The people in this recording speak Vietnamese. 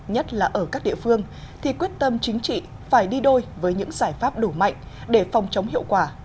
nhất là ở các địa phương thì quyết tâm chính trị phải đi đôi với những giải pháp đủ mạnh để phòng chống hiệu quả